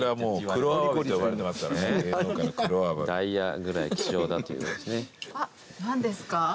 あっ何ですか？